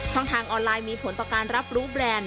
ทางออนไลน์มีผลต่อการรับรู้แบรนด์